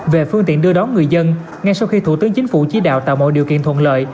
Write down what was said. về phương tiện đưa đón người dân ngay sau khi thủ tướng chính phủ chỉ đạo tạo mọi điều kiện thuận lợi